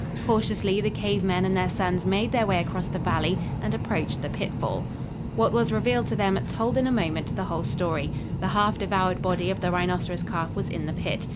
Cautiously the cave men and their sons made their way across the valley and approached the pitfall. What was revealed to them told in a moment the whole story. The half devoured body of the rhinoceros calf was in the pit.